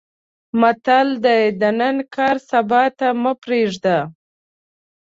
متل دی: د نن کار سبا ته مه پرېږده.